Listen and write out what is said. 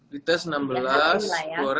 di test enam belas keluar delapan belas